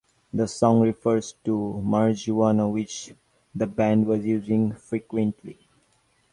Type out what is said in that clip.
The song refers to marijuana, which the band was using frequently.